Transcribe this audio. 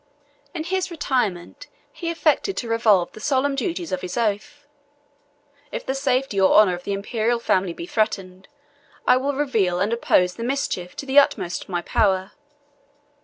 In his retirement, he affected to revolve the solemn duties of his oath: "If the safety or honor of the Imperial family be threatened, I will reveal and oppose the mischief to the utmost of my power."